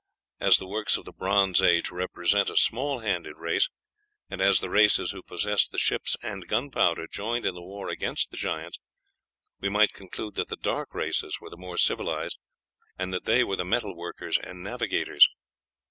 As the works of the Bronze Age represent a small handed race, and as the races who possessed the ships and gunpowder joined in the war against the Giants, we might conclude that the dark races were the more civilized, that they were the metal workers and navigators.